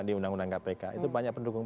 di undang undang kpk itu banyak pendukung